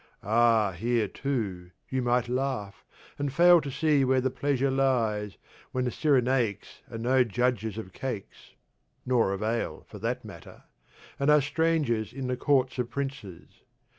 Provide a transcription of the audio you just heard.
Ah, here too, you might laugh, and fail to see where the Pleasure lies, when the Cyrenaics are no 'judges of cakes' (nor of ale, for that matter), and are strangers in the Courts of Princes.